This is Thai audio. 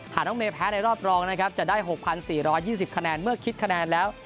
หากน้องเมย์แพ้ในรอบรองนะครับจะได้หกพันสี่ร้อยยี่สิบคะแนนเมื่อคิดคะแนนแล้ว